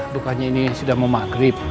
bukannya ini sudah mau maghrib